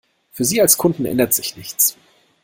Für Sie als Kunden ändert sich nichts.